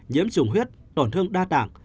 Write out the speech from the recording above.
nhiễm trùng huyết tổn thương đa tạng